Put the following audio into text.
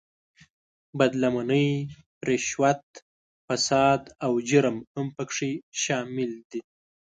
بد لمنۍ، رشوت، فساد او جرم هم په کې شامل دي.